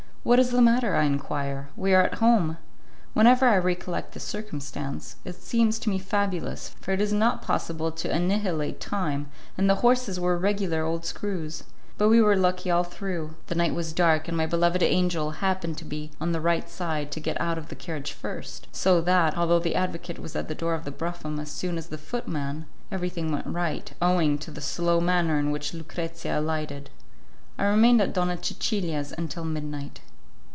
"What is the matter?" I enquire. "We are at home." Whenever I recollect the circumstance, it seems to me fabulous, for it is not possible to annihilate time, and the horses were regular old screws. But we were lucky all through. The night was dark, and my beloved angel happened to be on the right side to get out of the carriage first, so that, although the advocate was at the door of the brougham as soon as the footman, everything went right, owing to the slow manner in which Lucrezia alighted. I remained at Donna Cecilia's until midnight.